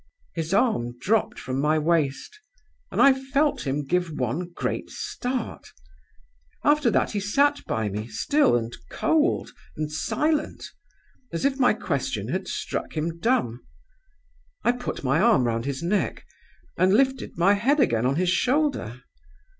"His arm dropped from my waist, and I felt him give one great start. After that he sat by me, still, and cold, and silent, as if my question had struck him dumb. I put my arm round his neck, and lifted my head again on his shoulder.